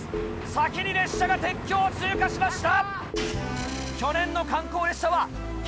先に列車が鉄橋を通過しました！